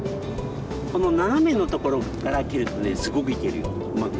このななめのところから蹴るとねすごくいけるようまく。